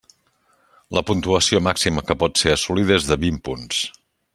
La puntuació màxima que pot ser assolida és de vint punts.